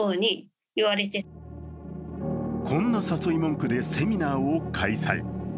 こんな誘い文句でセミナーを開催。